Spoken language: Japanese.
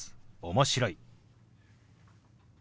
「面白い」。